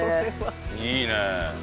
いいね！